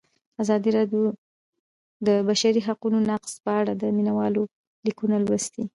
ازادي راډیو د د بشري حقونو نقض په اړه د مینه والو لیکونه لوستي.